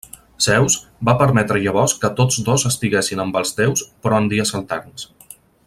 Zeus va permetre llavors que tots dos estiguessin amb els déus però en dies alterns.